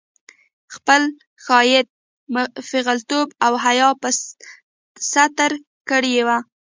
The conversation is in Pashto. خپل ښايیت، پېغلتوب او حيا په ستر کړې وه